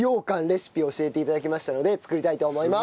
レシピ教えて頂きましたので作りたいと思います。